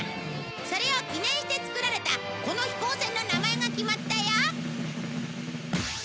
それを記念して作られたこの飛行船の名前が決まったよ！